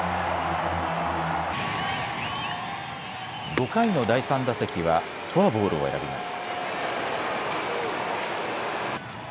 ５回の第３打席はフォアボールを選びます。